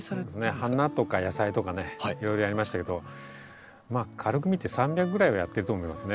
花とか野菜とかねいろいろやりましたけどまあ軽く見て３００ぐらいはやってると思いますね。